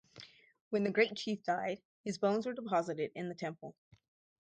When the great chief died, his bones were deposited in the temple.